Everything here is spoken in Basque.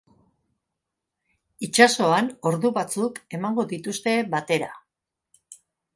Itsasoan ordu batzuk emango dituzte batera.